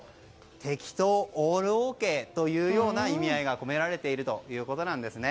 てきとオールＯＫという意味合いが込められているということです。